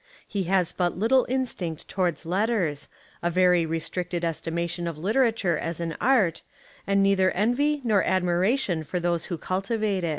He has but little instinct towards letters, a very restricted esti mation of literature as an art, and neither envy nor admiration for those who cultivate it.